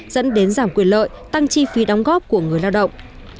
dẫn đến giảm quyền lợi tăng chi phí đóng góp của người lao động